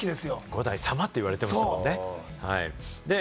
五代様と言われてました。